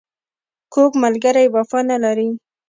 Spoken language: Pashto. کوږ ملګری وفا نه لري